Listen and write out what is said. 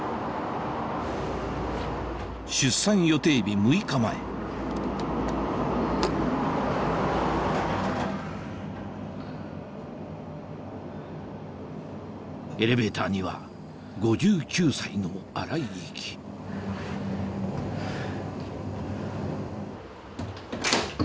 出産予定日６日前エレベーターには５９歳の荒い息ハァハァ。